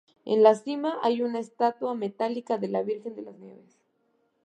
En la cima hay una estatua metálica de la Virgen de las Nieves.